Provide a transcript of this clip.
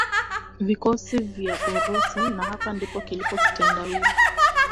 vikosi vya Urusi na hapa ndipo kilipo kitendawili